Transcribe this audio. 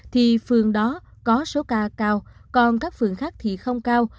thì phường đó có số ca cao còn các phường khác thì không cao